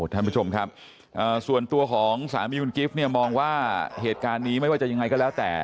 ท่านผู้ชมครับส่วนตัวของสามีคุณกิฟต์เนี่ยมองว่าเหตุการณ์นี้ไม่ว่าจะยังไงก็แล้วแต่